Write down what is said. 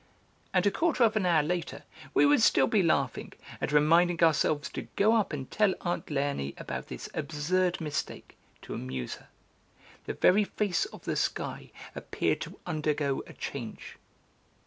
And a quarter of an hour later we would still be laughing, and reminding ourselves to go up and tell aunt Léonie about this absurd mistake, to amuse her. The very face of the sky appeared to undergo a change.